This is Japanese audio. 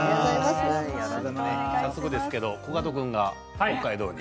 早速ですけれどコカド君が北海道に。